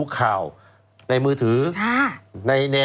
ใครคือน้องใบเตย